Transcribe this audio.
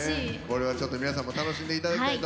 これはちょっと皆さんも楽しんでいただきたいと思います。